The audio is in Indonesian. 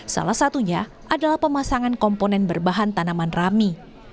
salah satunya adalah pemasangan komponen berbahan tanaman rami